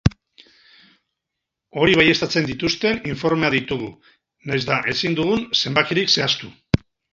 Hori baieztatzen dituzten informeak ditugu nahiz eta ezin dugun zenbakirik zehaztu.